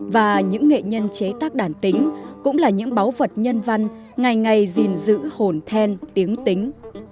và những nghệ nhân chế tác đàn tính cũng là những báu vật nhân văn ngày ngày gìn giữ hồn then tiếng tính